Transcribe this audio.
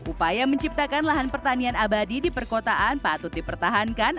upaya menciptakan lahan pertanian abadi di perkotaan patut dipertahankan